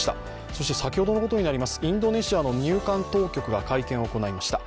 そして先ほどのことになります、インドネシアの入管当局が会見を行いました。